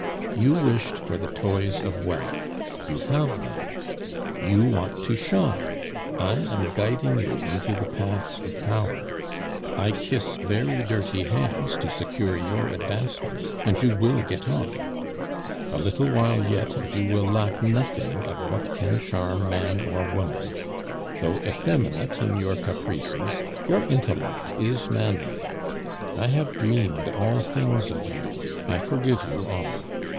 "You wished for the toys of wealth; you have them. You want to shine; I am guiding you into the paths of power, I kiss very dirty hands to secure your advancement, and you will get on. A little while yet and you will lack nothing of what can charm man or woman. Though effeminate in your caprices, your intellect is manly. I have dreamed all things of you; I forgive you all.